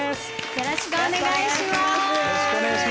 よろしくお願いします。